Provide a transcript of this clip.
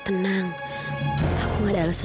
tenang aku gak ada alasan